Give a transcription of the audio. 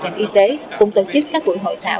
ngành y tế cũng tổ chức các buổi hội thảo